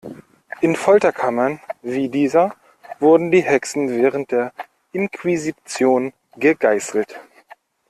In Folterkammern wie dieser wurden die Hexen während der Inquisition gegeißelt.